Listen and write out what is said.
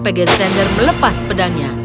pegazander melepas pedangnya